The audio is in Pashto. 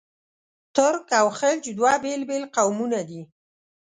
ترک او خلج دوه بېل بېل قومونه دي.